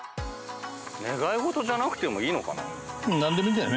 願い事じゃなくてもいいのかな？